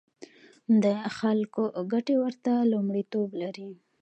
د خلکو ګټې ورته لومړیتوب لري.